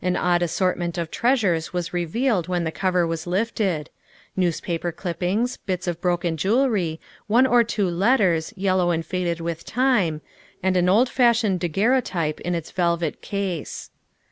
An odd assortment of treasures was revealed when the cover was lifted newspaper clippings, bits of broken jewelry, one or two letters, yellow and faded with time, and an old fashioned daguerrotype in its velvet case.